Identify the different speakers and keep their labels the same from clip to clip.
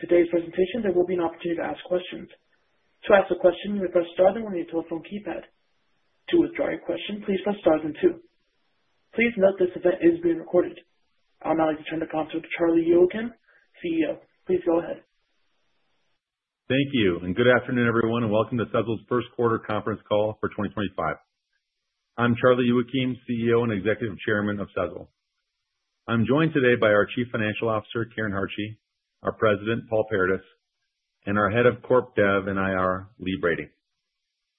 Speaker 1: After today's presentation, there will be an opportunity to ask questions. To ask a question, you may press star and one on your telephone keypad. To withdraw your question, please press star and two. Please note this event is being recorded. I'd now like to turn the conference over to Charlie Youakim, CEO. Please go ahead.
Speaker 2: Thank you, and good afternoon, everyone, and welcome to Sezzle's first quarter conference call for 2025. I'm Charlie Youakim, CEO and Executive Chairman of Sezzle. I'm joined today by our Chief Financial Officer, Karen Hartje, our President, Paul Paradis, and our Head of Corporate Development and Investor Relations, Lee Brady.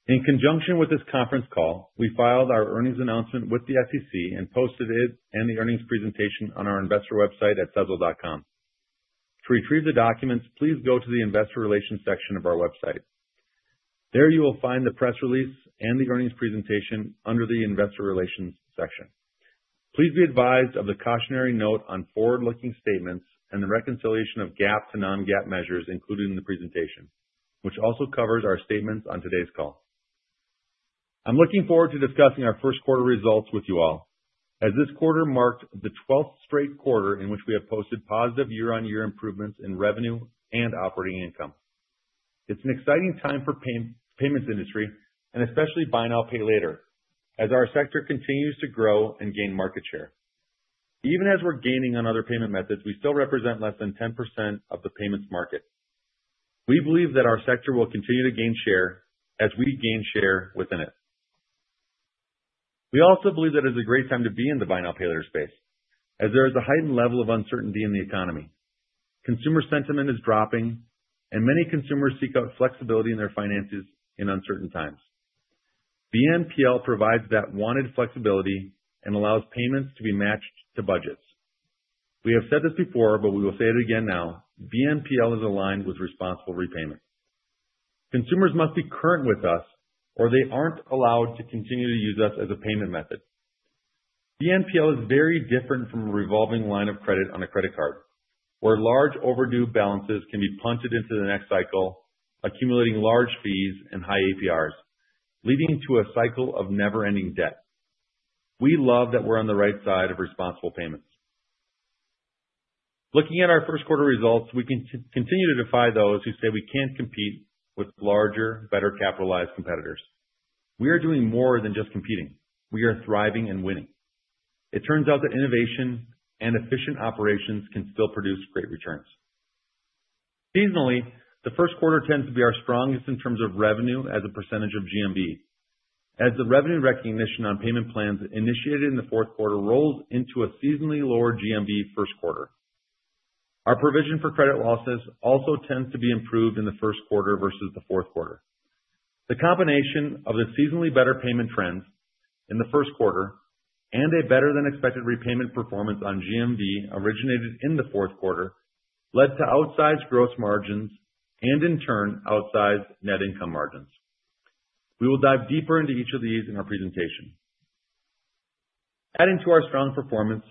Speaker 2: In conjunction with this conference call, we filed our earnings announcement with the SEC and posted it and the earnings presentation on our investor website at sezzle.com. To retrieve the documents, please go to the Investor Relations section of our website. There you will find the press release and the earnings presentation under the Investor Relations section. Please be advised of the cautionary note on forward-looking statements and the reconciliation of GAAP to non-GAAP measures included in the presentation, which also covers our statements on today's call. I'm looking forward to discussing our first quarter results with you all, as this quarter marked the 12th straight quarter in which we have posted positive -on- improvements in revenue and operating income. It's an exciting time for the payments industry, and especially buy now, pay later, as our sector continues to grow and gain market share. Even as we're gaining on other payment methods, we still represent less than 10% of the payments market. We believe that our sector will continue to gain share as we gain share within it. We also believe that it is a great time to be in the buy now, pay later space, as there is a heightened level of uncertainty in the economy. Consumer sentiment is dropping, and many consumers seek out flexibility in their finances in uncertain times. BNPL provides that wanted flexibility and allows payments to be matched to budgets. We have said this before, but we will say it again now: BNPL is aligned with responsible repayment. Consumers must be current with us, or they are not allowed to continue to use us as a payment method. BNPL is very different from a revolving line of credit on a credit card, where large overdue balances can be punted into the next cycle, accumulating large fees and high APRs, leading to a cycle of never-ending debt. We love that we are on the right side of responsible payments. Looking at our first quarter results, we continue to defy those who say we cannot compete with larger, better-capitalized competitors. We are doing more than just competing. We are thriving and winning. It turns out that innovation and efficient operations can still produce great returns. Seasonally, the first quarter tends to be our strongest in terms of revenue as a percentage of GMV, as the revenue recognition on payment plans initiated in the fourth quarter rolls into a seasonally lower GMV first quarter. Our provision for credit losses also tends to be improved in the first quarter versus the fourth quarter. The combination of the seasonally better payment trends in the first quarter and a better-than-expected repayment performance on GMV originated in the fourth quarter, led to outsized gross margins and, in turn, outsized net income margins. We will dive deeper into each of these in our presentation. Adding to our strong performance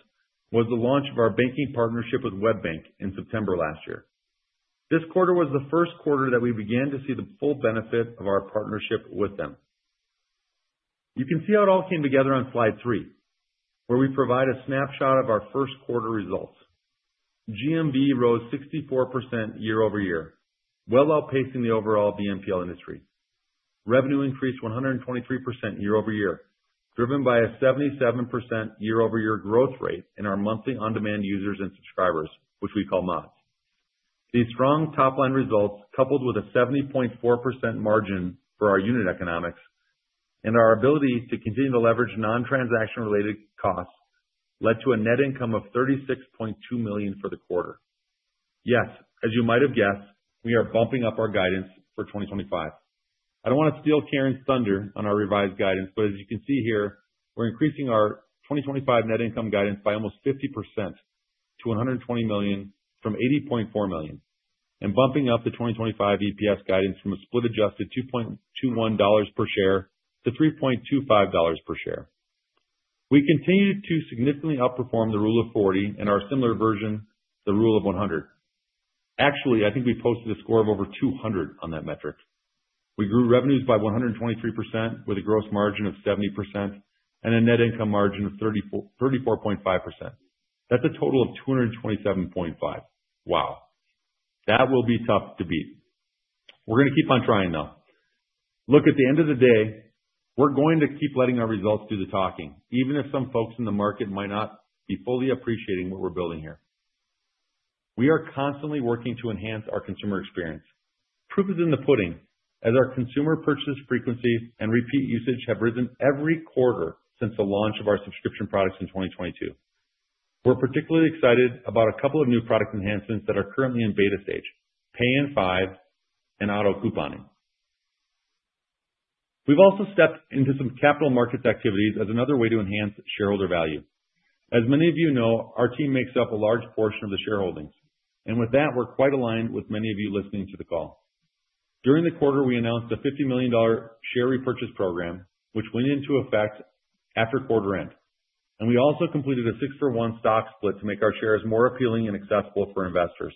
Speaker 2: was the launch of our banking partnership with WebBank in September last year. This quarter was the first quarter that we began to see the full benefit of our partnership with them. You can see how it all came together on slide three, where we provide a snapshot of our first quarter results. GMV rose 64% year-over-year, well outpacing the overall BNPL industry. Revenue increased 123% year-over-year, driven by a 77% year-over-year growth rate in our monthly on-demand users and subscribers, which we call MODS. These strong top-line results, coupled with a 70.4% margin for our unit economics and our ability to continue to leverage non-transaction-related costs, led to a net income of $36.2 million for the quarter. Yes, as you might have guessed, we are bumping up our guidance for 2025. I do not want to steal Karen's thunder on our revised guidance, but as you can see here, we are increasing our 2025 net income guidance by almost 50% to $120 million from $80.4 million, and bumping up the 2025 EPS guidance from a split-adjusted $2.21 per share to $3.25 per share. We continue to significantly outperform the Rule of 40 and our similar version, the Rule of 100. Actually, I think we posted a score of over 200 on that metric. We grew revenues by 123% with a gross margin of 70% and a net income margin of 34.5%. That's a total of $227.5. Wow. That will be tough to beat. We're going to keep on trying, though. Look, at the end of the day, we're going to keep letting our results do the talking, even if some folks in the market might not be fully appreciating what we're building here. We are constantly working to enhance our consumer experience. Proof is in the pudding, as our consumer purchase frequency and repeat usage have risen every quarter since the launch of our subscription products in 2022. We're particularly excited about a couple of new product enhancements that are currently in beta stage: Pay in Five and Auto Couponing. We've also stepped into some capital markets activities as another way to enhance shareholder value. As many of you know, our team makes up a large portion of the shareholdings, and with that, we're quite aligned with many of you listening to the call. During the quarter, we announced a $50 million share repurchase program, which went into effect after quarter end. We also completed a six-for-one stock split to make our shares more appealing and accessible for investors,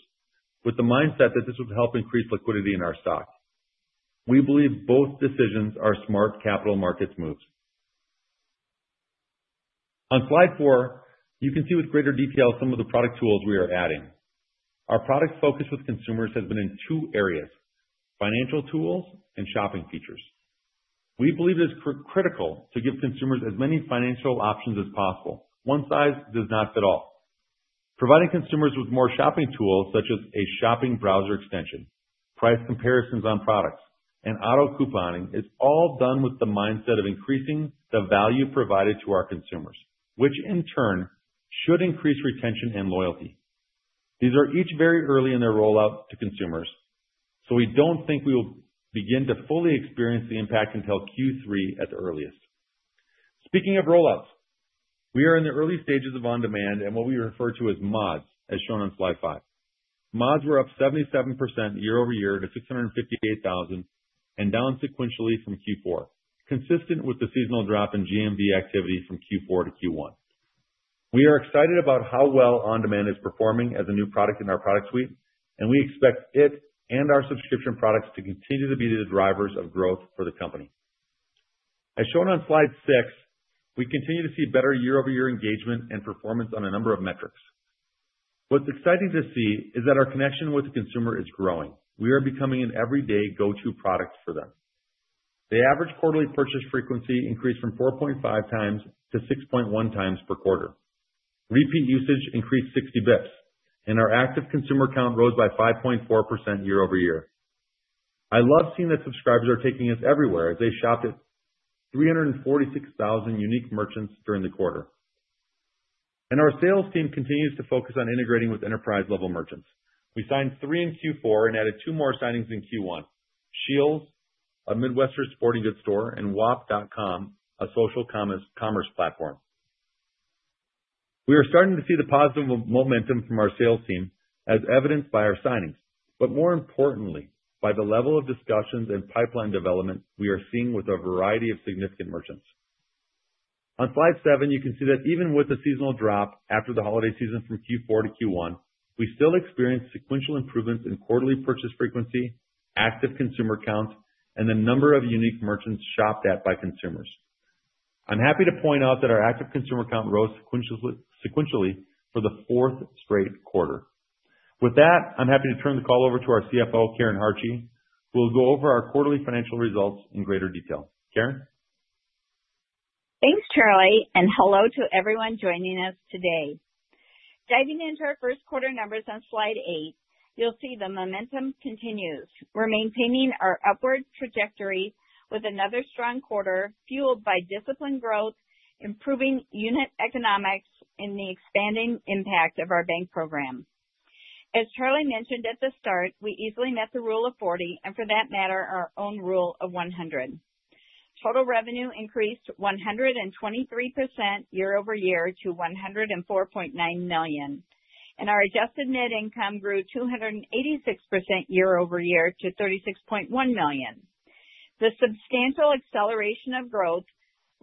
Speaker 2: with the mindset that this would help increase liquidity in our stock. We believe both decisions are smart capital markets moves. On slide four, you can see with greater detail some of the product tools we are adding. Our product focus with consumers has been in two areas: financial tools and shopping features. We believe it is critical to give consumers as many financial options as possible. One size does not fit all. Providing consumers with more shopping tools, such as a shopping browser extension, price comparisons on products, and auto couponing, is all done with the mindset of increasing the value provided to our consumers, which in turn should increase retention and loyalty. These are each very early in their rollout to consumers, so we do not think we will begin to fully experience the impact until Q3 at the earliest. Speaking of rollouts, we are in the early stages of on-demand and what we refer to as MODS, as shown on slide five. MODS were up 77% year-over-year to $658,000 and down sequentially from Q4, consistent with the seasonal drop in GMV activity from Q4 to Q1. We are excited about how well On-Demand is performing as a new product in our product suite, and we expect it and our subscription products to continue to be the drivers of growth for the company. As shown on slide six, we continue to see better year-over-year engagement and performance on a number of metrics. What's exciting to see is that our connection with the consumer is growing. We are becoming an everyday go-to product for them. The average quarterly purchase frequency increased from 4.5 times to 6.1 times per quarter. Repeat usage increased 60 basis points, and our active consumer count rose by 5.4% year-over-year. I love seeing that subscribers are taking us everywhere as they shopped at 346,000 unique merchants during the quarter. Our sales team continues to focus on integrating with enterprise-level merchants. We signed three in Q4 and added two more signings in Q1: Scheels, a Midwestern sporting goods store, and Wish.com, a social commerce platform. We are starting to see the positive momentum from our sales team, as evidenced by our signings, but more importantly, by the level of discussions and pipeline development we are seeing with a variety of significant merchants. On slide seven, you can see that even with the seasonal drop after the holiday season from Q4 to Q1, we still experienced sequential improvements in quarterly purchase frequency, active consumer count, and the number of unique merchants shopped at by consumers. I'm happy to point out that our active consumer count rose sequentially for the fourth straight quarter. With that, I'm happy to turn the call over to our CFO, Karen Hartje, who will go over our quarterly financial results in greater detail. Karen?
Speaker 3: Thanks, Charlie, and hello to everyone joining us today. Diving into our first quarter numbers on slide eight, you'll see the momentum continues. We're maintaining our upward trajectory with another strong quarter fueled by disciplined growth, improving unit economics, and the expanding impact of our bank program. As Charlie mentioned at the start, we easily met the Rule of 40, and for that matter, our own Rule of 100. Total revenue increased 123% year-over-year to $104.9 million, and our adjusted net income grew 286% year-over-year to $36.1 million. The substantial acceleration of growth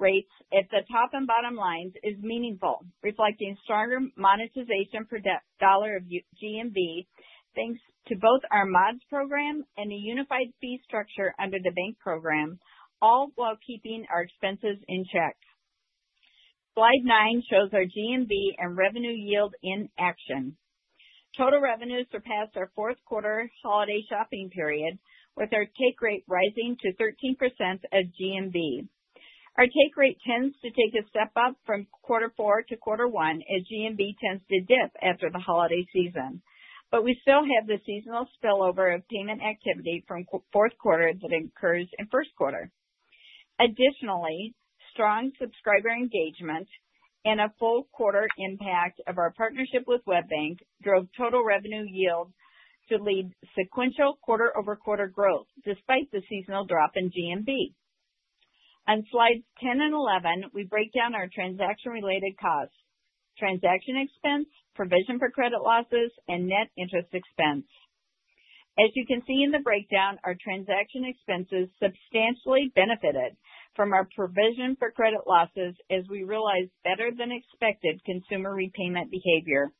Speaker 3: rates at the top and bottom lines is meaningful, reflecting stronger monetization per dollar of GMV, thanks to both our MODS program and the unified fee structure under the bank program, all while keeping our expenses in check. Slide nine shows our GMV and revenue yield in action. Total revenue surpassed our fourth quarter holiday shopping period, with our take rate rising to 13% of GMV. Our take rate tends to take a step up from quarter four to quarter one as GMV tends to dip after the holiday season, but we still have the seasonal spillover of payment activity from fourth quarter that incurs in first quarter. Additionally, strong subscriber engagement and a full quarter impact of our partnership with WebBank drove total revenue yield to lead sequential quarter-over-quarter growth despite the seasonal drop in GMV. On slides 10 and 11, we break down our transaction-related costs: transaction expense, provision for credit losses, and net interest expense. As you can see in the breakdown, our transaction expenses substantially benefited from our provision for credit losses as we realized better-than-expected consumer repayment behavior.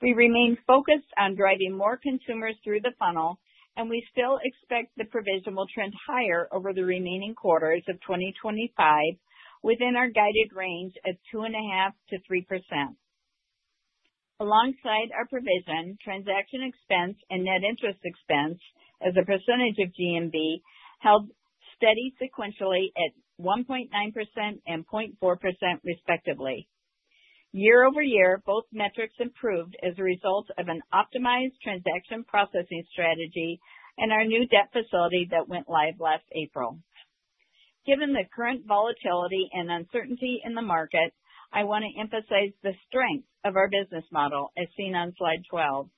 Speaker 3: We remain focused on driving more consumers through the funnel, and we still expect the provision will trend higher over the remaining quarters of 2025 within our guided range of 2.5%-3%. Alongside our provision, transaction expense and net interest expense as a percentage of GMV held steady sequentially at 1.9% and 0.4%, respectively. Year-over-year, both metrics improved as a result of an optimized transaction processing strategy and our new debt facility that went live last April. Given the current volatility and uncertainty in the market, I want to emphasize the strength of our business model, as seen on slide 12.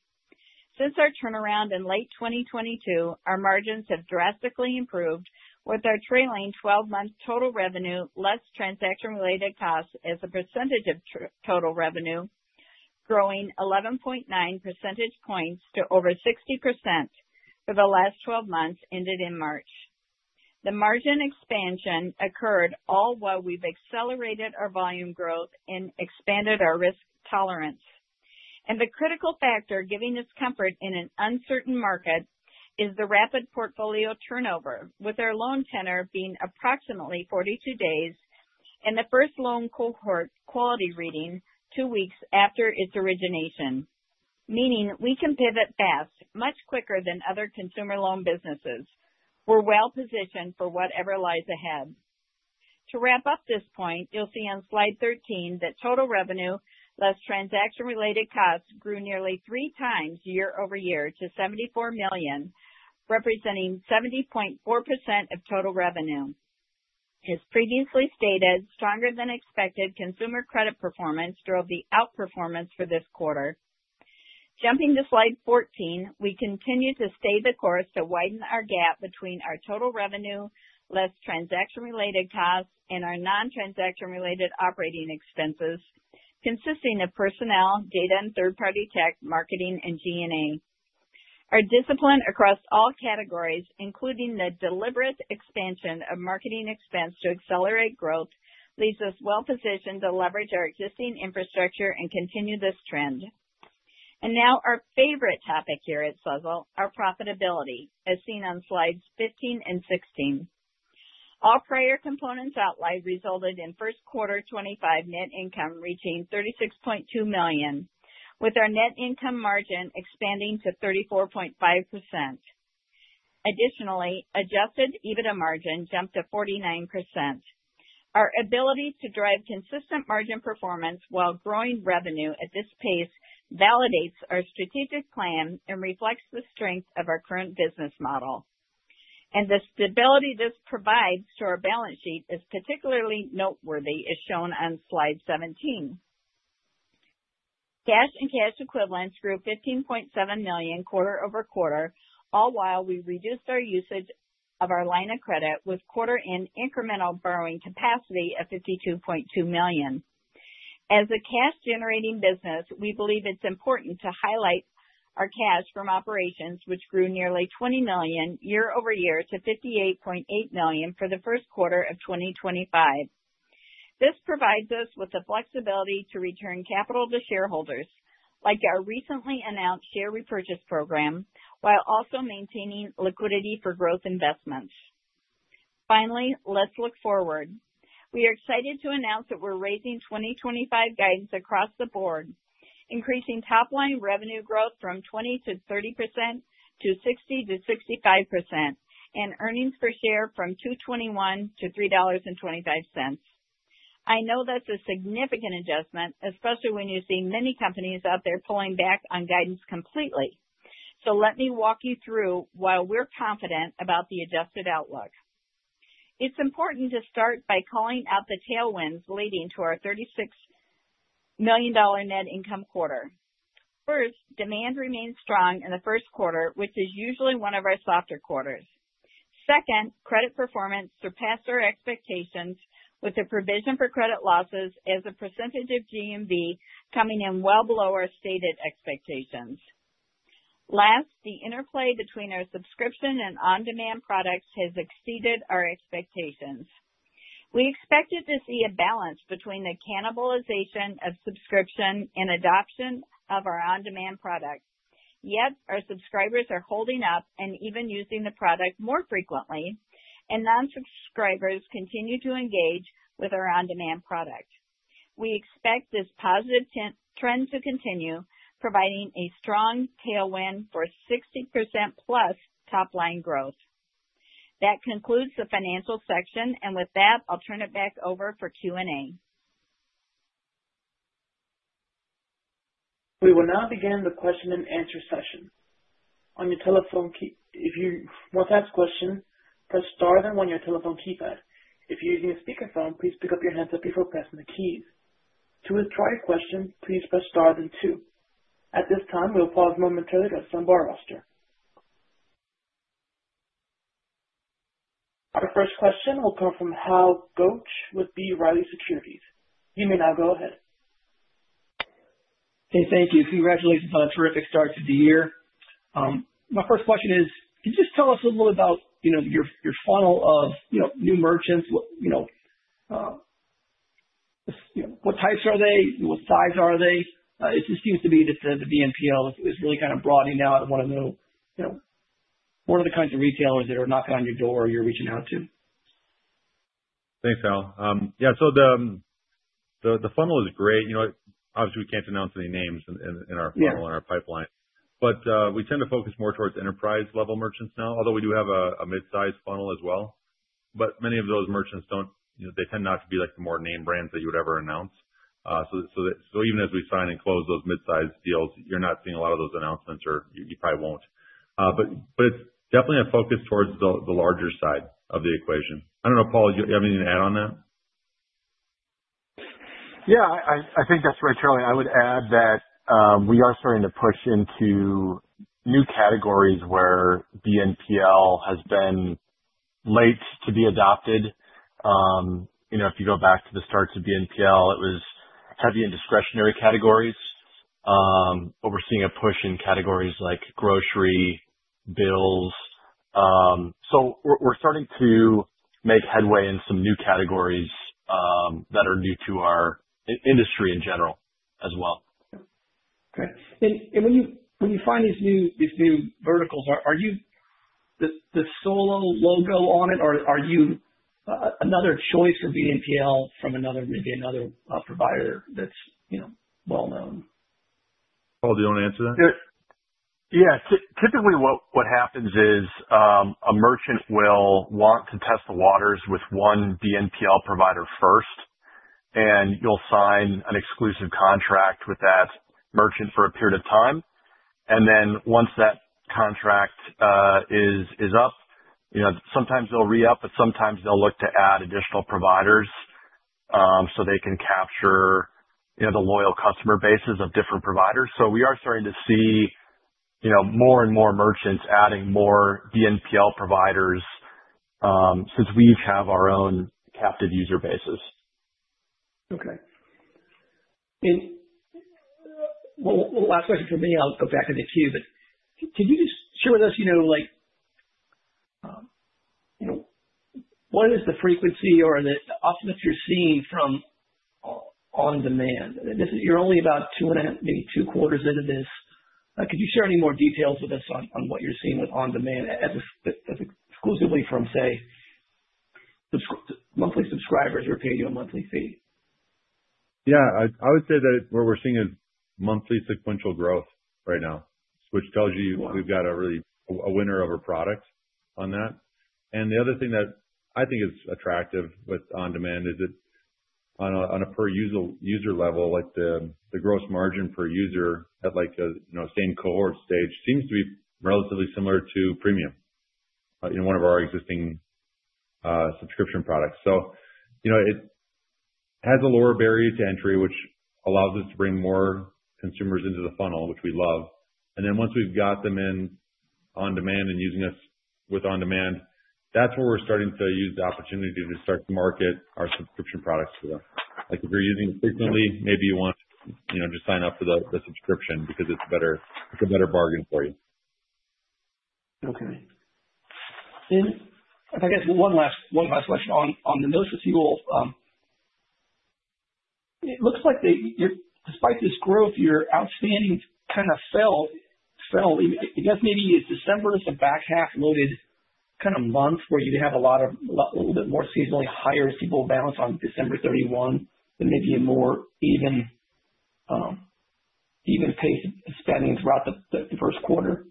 Speaker 3: Since our turnaround in late 2022, our margins have drastically improved, with our trailing 12-month total revenue less transaction-related costs as a percentage of total revenue, growing 11.9 percentage points to over 60% for the last 12 months ended in March. The margin expansion occurred all while we've accelerated our volume growth and expanded our risk tolerance. The critical factor giving us comfort in an uncertain market is the rapid portfolio turnover, with our loan tenor being approximately 42 days and the first loan cohort quality reading two weeks after its origination, meaning we can pivot fast, much quicker than other consumer loan businesses. We're well positioned for whatever lies ahead. To wrap up this point, you'll see on slide 13 that total revenue less transaction-related costs grew nearly three times year-over-year to $74 million, representing 70.4% of total revenue. As previously stated, stronger-than-expected consumer credit performance drove the outperformance for this quarter. Jumping to slide 14, we continue to stay the course to widen our gap between our total revenue less transaction-related costs and our non-transaction-related operating expenses, consisting of personnel, data, and third-party tech, marketing, and G&A. Our discipline across all categories, including the deliberate expansion of marketing expense to accelerate growth, leaves us well positioned to leverage our existing infrastructure and continue this trend. Our favorite topic here at Sezzle, our profitability, as seen on slides 15 and 16. All prior components outlined resulted in first quarter 2025 net income reaching $36.2 million, with our net income margin expanding to 34.5%. Additionally, adjusted EBITDA margin jumped to 49%. Our ability to drive consistent margin performance while growing revenue at this pace validates our strategic plan and reflects the strength of our current business model. The stability this provides to our balance sheet is particularly noteworthy, as shown on slide 17. Cash and cash equivalents grew $15.7 million quarter-over-quarter, all while we reduced our usage of our line of credit with quarter-end incremental borrowing capacity at $52.2 million. As a cash-generating business, we believe it's important to highlight our cash from operations, which grew nearly $20 million year-over-year to $58.8 million for the first quarter of 2025. This provides us with the flexibility to return capital to shareholders, like our recently announced share repurchase program, while also maintaining liquidity for growth investments. Finally, let's look forward. We are excited to announce that we're raising 2025 guidance across the board, increasing top-line revenue growth from 20%-30% to 60%-65%, and earnings per share from $2.21 to $3.25. I know that's a significant adjustment, especially when you see many companies out there pulling back on guidance completely. So let me walk you through while we're confident about the adjusted outlook. It's important to start by calling out the tailwinds leading to our $36 million net income quarter. First, demand remained strong in the first quarter, which is usually one of our softer quarters. Second, credit performance surpassed our expectations with the provision for credit losses as a percentage of GMV coming in well below our stated expectations. Last, the interplay between our subscription and on-demand products has exceeded our expectations. We expected to see a balance between the cannibalization of subscription and adoption of our on-demand product. Yet our subscribers are holding up and even using the product more frequently, and non-subscribers continue to engage with our on-demand product. We expect this positive trend to continue, providing a strong tailwind for 60%+ top-line growth. That concludes the financial section, and with that, I'll turn it back over for Q&A.
Speaker 1: We will now begin the question-and-answer session. On your telephone key, if you want to ask a question, press star then one on your telephone keypad. If you're using a speakerphone, please pick up your handset before pressing the keys. To withdraw your question, please press star then two. At this time, we'll pause momentarily to have some bar roster. Our first question will come from Hal Goech with B. Riley Securities. You may now go ahead.
Speaker 4: Hey, thank you. Congratulations on a terrific start to the year. My first question is, can you just tell us a little bit about your funnel of new merchants? What types are they? What size are they? It just seems to be that the BNPL is really kind of broadening out. I want to know what are the kinds of retailers that are knocking on your door you're reaching out to?
Speaker 2: Thanks, Al. Yeah, the funnel is great. Obviously, we can't announce any names in our funnel and our pipeline. We tend to focus more towards enterprise-level merchants now, although we do have a mid-size funnel as well. Many of those merchants tend not to be the more name brands that you would ever announce. Even as we sign and close those mid-size deals, you're not seeing a lot of those announcements, or you probably won't. It's definitely a focus towards the larger side of the equation. I don't know, Paul, do you have anything to add on that?
Speaker 5: Yeah, I think that's right, Charlie. I would add that we are starting to push into new categories where BNPL has been late to be adopted. If you go back to the start to BNPL, it was heavy in discretionary categories. We are seeing a push in categories like grocery, bills. We are starting to make headway in some new categories that are new to our industry in general as well.
Speaker 4: Okay. When you find these new verticals, is the Sezzle logo on it, or are you another choice for BNPL from maybe another provider that's well-known?
Speaker 2: Paul, do you want to answer that?
Speaker 5: Yeah. Typically, what happens is a merchant will want to test the waters with one BNPL provider first, and you'll sign an exclusive contract with that merchant for a period of time. Once that contract is up, sometimes they'll re-up, but sometimes they'll look to add additional providers so they can capture the loyal customer bases of different providers. We are starting to see more and more merchants adding more BNPL providers since we each have our own captive user bases.
Speaker 4: Okay. Last question for me, I'll go back into Q, but could you just share with us what is the frequency or the often that you're seeing from on-demand? You're only about two and a half, maybe two quarters into this. Could you share any more details with us on what you're seeing with on-demand exclusively from, say, monthly subscribers who are paying you a monthly fee?
Speaker 2: Yeah, I would say that what we're seeing is monthly sequential growth right now, which tells you we've got a winner of a product on that. The other thing that I think is attractive with On-Demand is that on a per-user level, the gross margin per user at the same cohort stage seems to be relatively similar to Premium in one of our existing subscription products. It has a lower barrier to entry, which allows us to bring more consumers into the funnel, which we love. Once we've got them in On-Demand and using us with On-Demand, that's where we're starting to use the opportunity to start to market our subscription products to them. If you're using it frequently, maybe you want to just sign up for the subscription because it's a better bargain for you.
Speaker 4: Okay. I guess one last question on the notes with you all. It looks like despite this growth, your outstanding kind of fell. I guess maybe is December some back half loaded kind of month where you'd have a little bit more seasonally higher as people balance on December 31 than maybe a more even pace spending throughout the first quarter?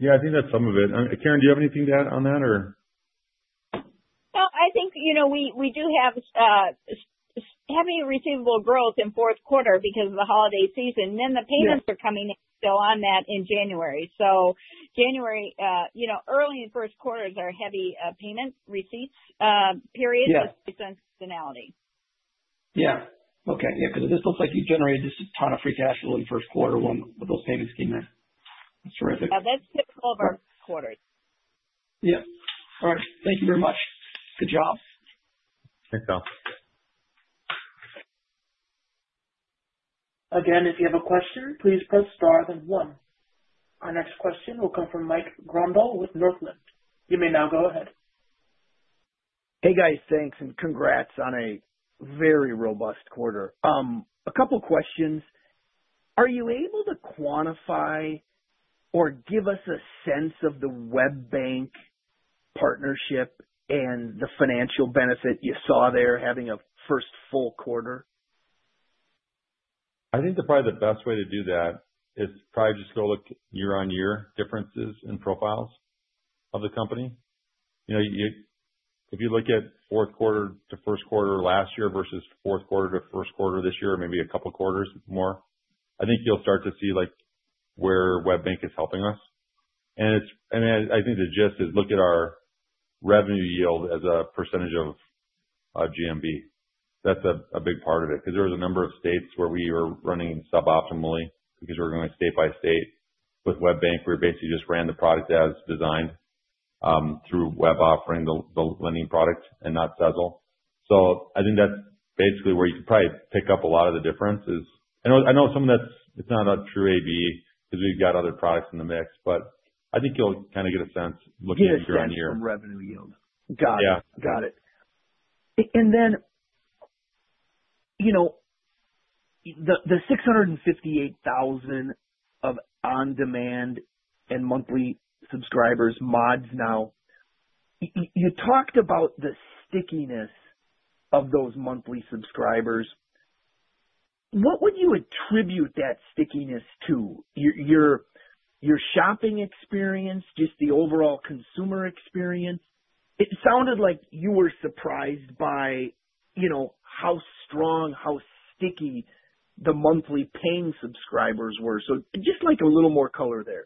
Speaker 2: Yeah, I think that's some of it. Karen, do you have anything to add on that, or?
Speaker 3: I think we do have heavy receivable growth in fourth quarter because of the holiday season. Then the payments are coming in still on that in January. So January, early in first quarter is our heavy payment receipts period with seasonality.
Speaker 4: Yeah. Okay. Yeah, because this looks like you generated just a ton of free cash early in first quarter when those payments came in. That's terrific.
Speaker 3: Yeah, that's typical of our quarters.
Speaker 4: Yeah. All right. Thank you very much. Good job.
Speaker 2: Thanks, Al.
Speaker 1: Again, if you have a question, please press star then one. Our next question will come from Mike Grondahl with Northland. You may now go ahead.
Speaker 6: Hey, guys. Thanks, and congrats on a very robust quarter. A couple of questions. Are you able to quantify or give us a sense of the WebBank partnership and the financial benefit you saw there having a first full quarter?
Speaker 2: I think probably the best way to do that is probably just go look year-on-year differences in profiles of the company. If you look at fourth quarter to first quarter last year versus fourth quarter to first quarter this year, maybe a couple of quarters more, I think you'll start to see where WebBank is helping us. I think the gist is look at our revenue yield as a percentage of GMV. That's a big part of it because there was a number of states where we were running suboptimally because we're going state by state. With WebBank, we basically just ran the product as designed through WebBank offering the lending product and not Sezzle. I think that's basically where you can probably pick up a lot of the differences. I know some of that's not a true A/B because we've got other products in the mix, but I think you'll kind of get a sense looking at year-on-year.
Speaker 6: Yeah, some revenue yield. Yeah. Got it. Got it. And then the 658,000 of on-demand and monthly subscribers, MODS now, you talked about the stickiness of those monthly subscribers. What would you attribute that stickiness to? Your shopping experience, just the overall consumer experience? It sounded like you were surprised by how strong, how sticky the monthly paying subscribers were. Just like a little more color there.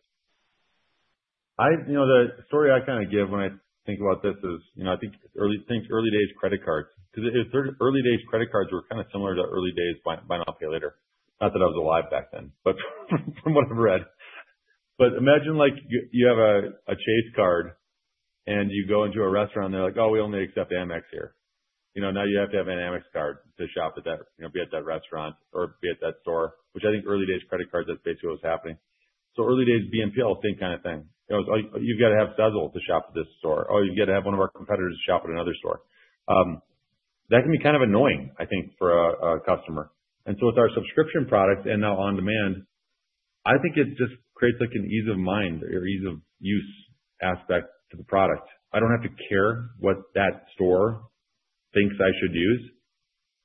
Speaker 2: The story I kind of give when I think about this is I think early days credit cards. Because early days credit cards were kind of similar to early days buy now, pay later. Not that I was alive back then, but from what I've read. Imagine you have a Chase card and you go into a restaurant and they're like, "Oh, we only accept Amex here." Now you have to have an Amex card to shop at that, be at that restaurant or be at that store, which I think early days credit cards is basically what was happening. Early days BNPL, same kind of thing. You've got to have Sezzle to shop at this store. Oh, you've got to have one of our competitors to shop at another store. That can be kind of annoying, I think, for a customer. With our subscription products and now On-Demand, I think it just creates an ease of mind or ease of use aspect to the product. I do not have to care what that store thinks I should use.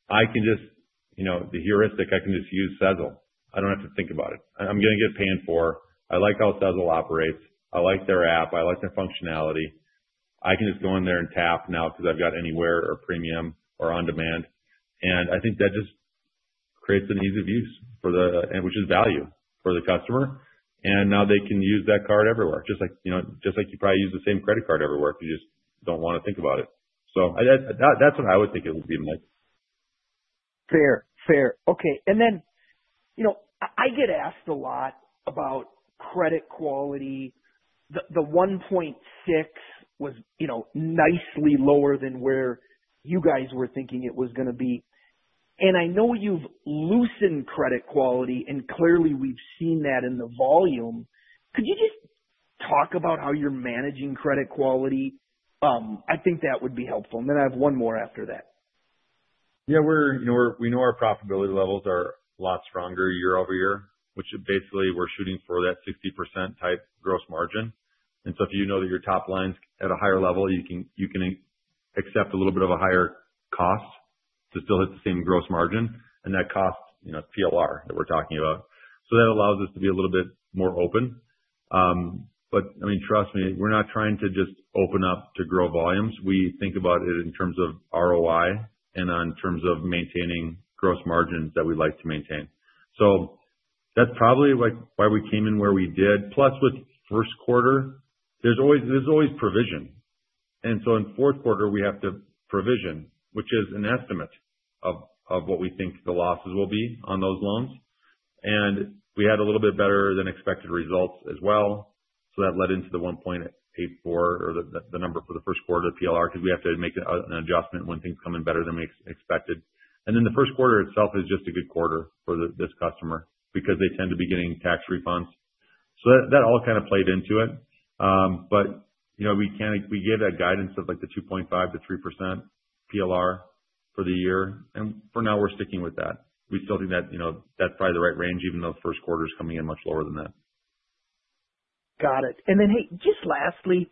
Speaker 2: I can just, the heuristic, I can just use Sezzle. I do not have to think about it. I am going to get paid for. I like how Sezzle operates. I like their app. I like their functionality. I can just go in there and tap now because I have got Anywhere or Premium or On-Demand. I think that just creates an ease of use, which is value for the customer. Now they can use that card everywhere, just like you probably use the same credit card everywhere if you just do not want to think about it. That is what I would think it would be like.
Speaker 6: Fair. Fair. Okay. I get asked a lot about credit quality. The 1.6 was nicely lower than where you guys were thinking it was going to be. I know you have loosened credit quality, and clearly we have seen that in the volume. Could you just talk about how you are managing credit quality? I think that would be helpful. I have one more after that.
Speaker 2: Yeah, we know our profitability levels are a lot stronger year-over-year, which basically we're shooting for that 60%-type gross margin. If you know that your top line is at a higher level, you can accept a little bit of a higher cost to still hit the same gross margin. That cost, PLR, that we're talking about. That allows us to be a little bit more open. I mean, trust me, we're not trying to just open up to grow volumes. We think about it in terms of ROI and in terms of maintaining gross margins that we'd like to maintain. That's probably why we came in where we did. Plus, with first quarter, there's always provision. In fourth quarter, we have to provision, which is an estimate of what we think the losses will be on those loans. We had a little bit better than expected results as well. That led into the $1.84 or the number for the first quarter PLR because we have to make an adjustment when things come in better than we expected. The first quarter itself is just a good quarter for this customer because they tend to be getting tax refunds. That all kind of played into it. We gave that guidance of the 2.5-3% PLR for the year. For now, we are sticking with that. We still think that is probably the right range, even though the first quarter is coming in much lower than that.
Speaker 6: Got it. Lastly,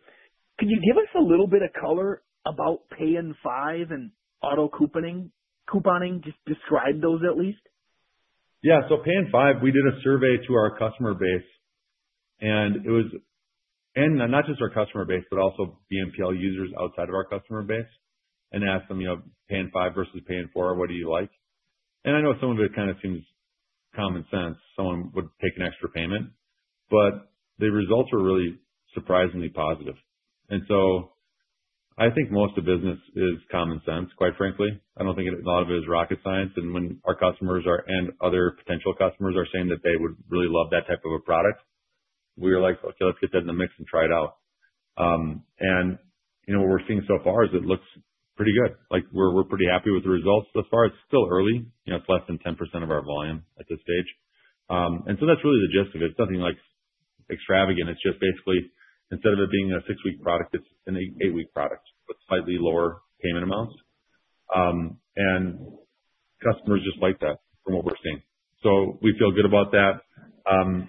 Speaker 6: could you give us a little bit of color about Pay in Five and Auto Couponing? Just describe those at least.
Speaker 2: Yeah. Pay in Five, we did a survey to our customer base. It was not just our customer base, but also BNPL users outside of our customer base and asked them, "Pay in Five versus Pay in Four, what do you like?" I know some of it kind of seems common sense. Someone would take an extra payment. The results are really surprisingly positive. I think most of business is common sense, quite frankly. I do not think a lot of it is rocket science. When our customers and other potential customers are saying that they would really love that type of a product, we were like, "Okay, let's get that in the mix and try it out." What we are seeing so far is it looks pretty good. We are pretty happy with the results thus far. It is still early. It's less than 10% of our volume at this stage. That is really the gist of it. It's nothing extravagant. It's just basically, instead of it being a six-week product, it's an eight-week product with slightly lower payment amounts. Customers just like that from what we're seeing. We feel good about that.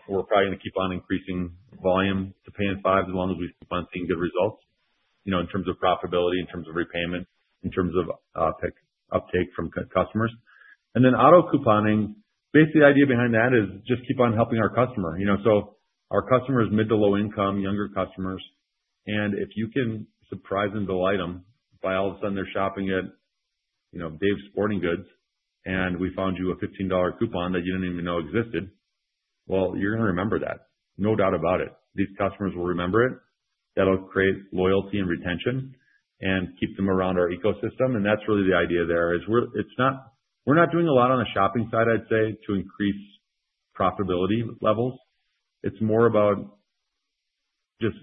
Speaker 2: We're probably going to keep on increasing volume to Pay in 5 as long as we keep on seeing good results in terms of profitability, in terms of repayment, in terms of uptake from customers. Auto Couponing, basically the idea behind that is just keep on helping our customer. Our customer is mid to low-income, younger customers. If you can surprise and delight them by all of a sudden they're shopping at SCHEELS and we found you a $15 coupon that you didn't even know existed, you're going to remember that. No doubt about it. These customers will remember it. That will create loyalty and retention and keep them around our ecosystem. That is really the idea there. We're not doing a lot on the shopping side, I'd say, to increase profitability levels. It's more about just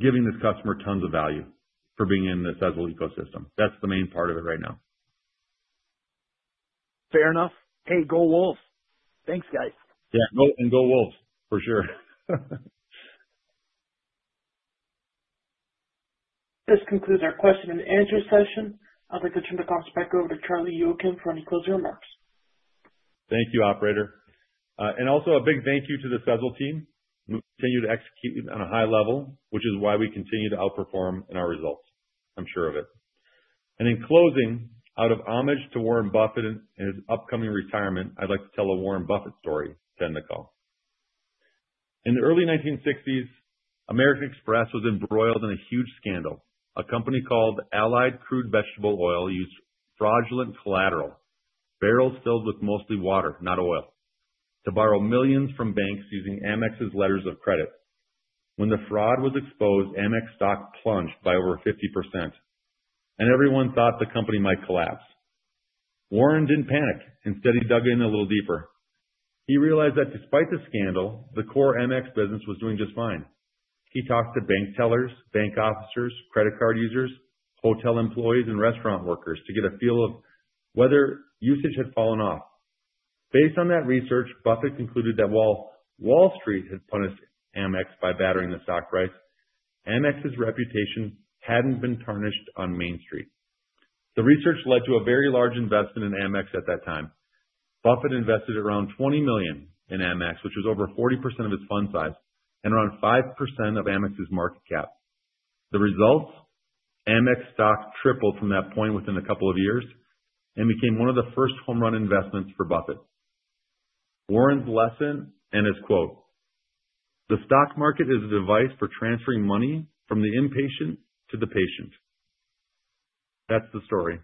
Speaker 2: giving this customer tons of value for being in the Sezzle ecosystem. That is the main part of it right now.
Speaker 6: Fair enough. Hey, go Wolves. Thanks, guys.
Speaker 2: Yeah. Go Wolves, for sure.
Speaker 1: This concludes our question and answer session. I'd like to turn the conference back over to Charlie Youakim for any closing remarks.
Speaker 2: Thank you, operator. Also a big thank you to the Sezzle team. We continue to execute on a high level, which is why we continue to outperform in our results. I'm sure of it. In closing, out of homage to Warren Buffett and his upcoming retirement, I'd like to tell a Warren Buffett story to end the call. In the early 1960s, American Express was embroiled in a huge scandal. A company called Allied Crude Vegetable Oil used fraudulent collateral, barrels filled with mostly water, not oil, to borrow millions from banks using American Express's letters of credit. When the fraud was exposed, American Express stock plunged by over 50%. Everyone thought the company might collapse. Warren did not panic. Instead, he dug in a little deeper. He realized that despite the scandal, the core American Express business was doing just fine. He talked to bank tellers, bank officers, credit card users, hotel employees, and restaurant workers to get a feel of whether usage had fallen off. Based on that research, Buffett concluded that while Wall Street had punished American Express by battering the stock price, American Express's reputation had not been tarnished on Main Street. The research led to a very large investment in American Express at that time. Buffett invested around $20 million in American Express, which was over 40% of its fund size and around 5% of American Express's market cap. The results? American Express stock tripled from that point within a couple of years and became one of the first home-run investments for Buffett. Warren's lesson and his quote, "The stock market is a device for transferring money from the impatient to the patient." That is the story.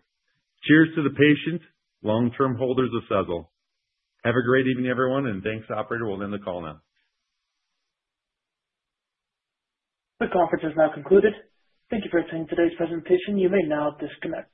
Speaker 2: Cheers to the patient, long-term holders of Sezzle. Have a great evening, everyone. Thanks, operator. We'll end the call now.
Speaker 1: The conference is now concluded. Thank you for attending today's presentation. You may now disconnect.